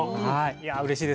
いやうれしいです。